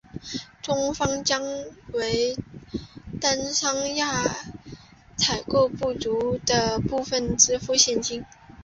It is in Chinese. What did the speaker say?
中方将为从坦桑尼亚采购的不足额部分支付现金。